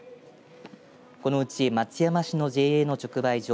このうち松山市のＪＡの直売所